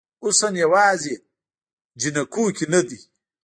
حسن یوازې جینکو کې نه دی